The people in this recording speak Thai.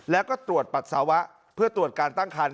แล้วก็ตรวจปัสสาวะเพื่อตรวจการตั้งคัน